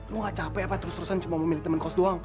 lu gak capek apa terus terusan cuma mau milih temen kos doang